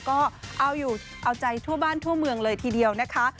ก็เอาใจทั่วบ้านทั่วเมืองเลยทีเดียวนะคะ